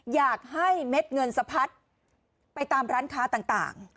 อยากให้เม็ดเงินสะพัดไปตามร้านค้าต่าง